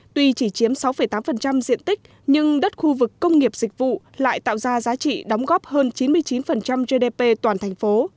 tuy chỉ chiếm sáu tám diện tích nhưng đất khu vực công nghiệp dịch vụ lại tạo ra giá trị đóng góp hơn chín mươi chín gdp toàn thành phố